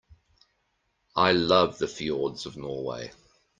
I love the fjords of Norway.